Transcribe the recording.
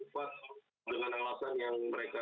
terlalu cepat dengan alasan yang mereka buat